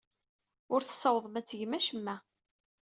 Ur tessawḍem ad tgem acemma.